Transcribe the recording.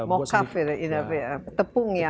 mokav ya tepung yang